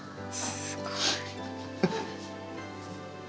すごい。